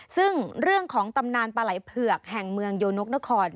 ซึ่งเรื่องของตำนานปลาไหล่เผือกแห่งเมืองโยนกนคร